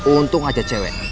untung aja cewek